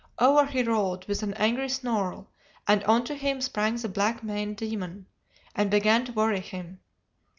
Over he rolled with an angry snarl, and on to him sprang the black maned demon, and began to worry him.